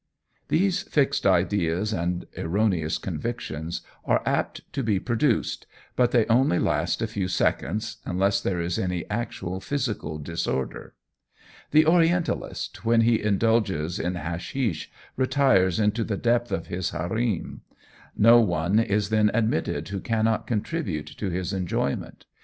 These fixed ideas and erroneous convictions are apt to be produced, but they only last a few seconds, unless there is any actual physical disorder. "The Orientalist, when he indulges in hashish retires into the depth of his harem; no one is then admitted who cannot contribute to his enjoyment.